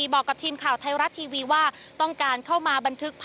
บอกกับทีมข่าวไทยรัตท์ทีวีว่า